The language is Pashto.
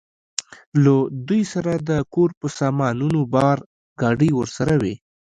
له دوی سره د کور په سامانونو بار، ګاډۍ ورسره وې.